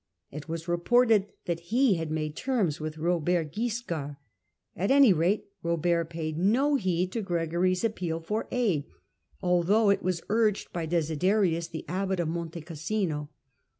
It was reported that he had made terms with Robert Wiscard ; at any rate Robert paid no heed to Gregory's appeal for aid, although it was urged by Desiderius, the abbot of Monte Cassino.